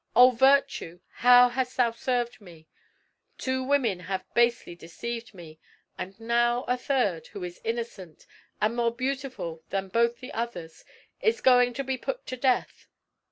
O virtue, how hast thou served me! Two women have basely deceived me, and now a third, who is innocent, and more beautiful than both the others, is going to be put to death!